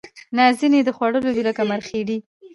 نه ځینې یې د خوړلو دي لکه مرخیړي